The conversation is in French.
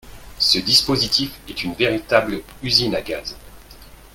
Ce dispositif est une véritable usine à gaz